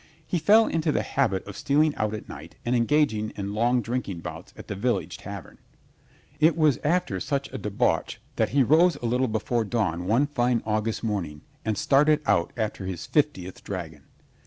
He fell into the habit of stealing out at night and engaging in long drinking bouts at the village tavern. It was after such a debauch that he rose a little before dawn one fine August morning and started out after his fiftieth dragon.